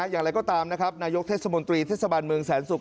อย่างไรก็ตามนะครับนายกเทศมนตรีเทศบาลเมืองแสนศุกร์